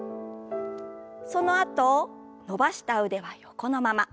そのあと伸ばした腕は横のまま。